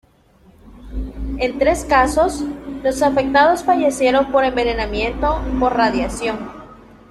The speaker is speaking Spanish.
En tres casos, los afectados fallecieron por envenenamiento por radiación.